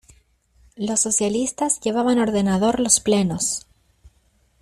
Los socialistas llevaban ordenador los plenos.